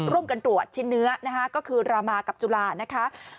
ร่วมกันตรวจชิ้นเนื้อนะคะก็คือรามากับจุฬานะคะ